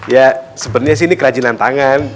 ya sebenarnya sih ini kerajinan tangan